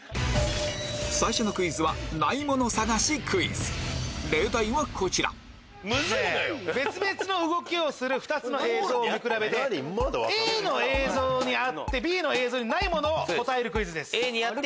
最初のクイズは例題はこちら別々の動きをする２つの映像を見比べてＡの映像にあってＢの映像にないものを答えるクイズです。